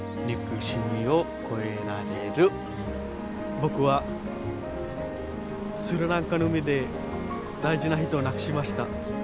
僕はスリランカの海で大事な人を亡くしました。